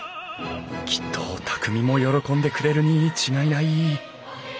きっと匠も喜んでくれるに違いない。